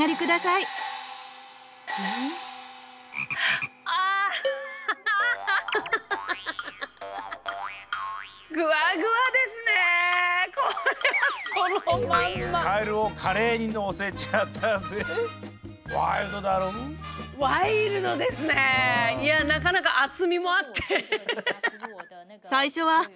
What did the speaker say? いやなかなか厚みもあって。